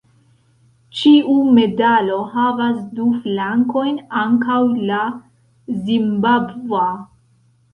Ĉiu medalo havas du flankojn, ankaŭ la zimbabva.